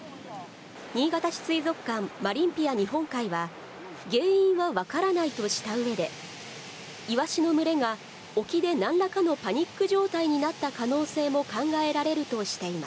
新潟市水族館マリンピア日本海は、原因は分からないとしたうえで、イワシの群れが沖でなんらかのパニック状態になった可能性も考え